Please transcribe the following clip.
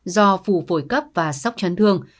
do phủ phổi cấp và sốc chấn thương